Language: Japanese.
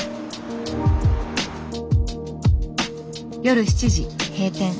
夜７時閉店。